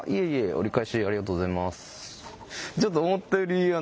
折り返しありがとうございます。